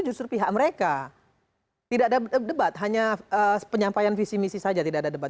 justru pihak mereka tidak ada debat hanya penyampaian visi misi saja tidak ada debat